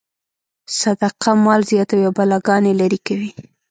صدقه مال زیاتوي او بلاګانې لرې کوي.